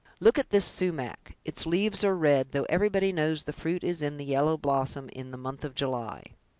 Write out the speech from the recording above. Look at this sumach; its leaves are red, though everybody knows the fruit is in the yellow blossom in the month of July!"